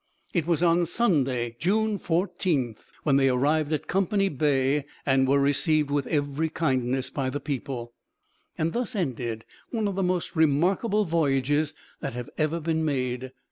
It was on Sunday, June 14, when they arrived at Company Bay, and were received with every kindness by the people. Thus ended one of the most remarkable voyages that have ever been made.